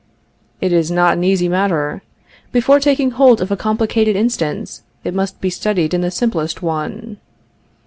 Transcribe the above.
It is not an easy matter. Before taking hold of a complicated instance, it must be studied in the simplest one.